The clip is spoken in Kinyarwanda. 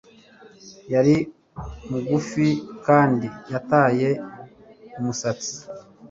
Yari mugufi kandi yataye umusatsi